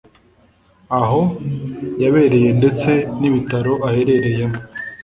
aho yabereye ndetse n’ibitaro aherereyemo